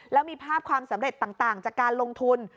แล้วมีภาพความสำเร็จต่างจากการลงทุน